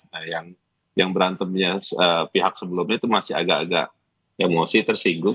nah yang berantemnya pihak sebelumnya itu masih agak agak emosi tersinggung